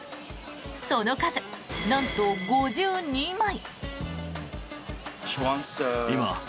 その数なんと５２枚。